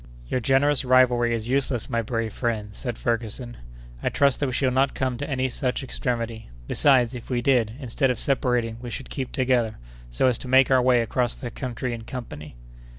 "Your generous rivalry is useless, my brave friends," said Ferguson; "I trust that we shall not come to any such extremity: besides, if we did, instead of separating, we should keep together, so as to make our way across the country in company."